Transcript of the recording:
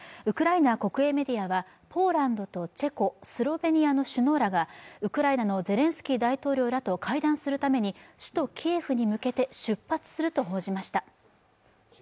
ウクライナ国営メディアはポーランドとチェコスロベニアの首脳らがウクライナのゼレンスキー大統領らと会談するために、首都キエフに向けて出発すると報じました。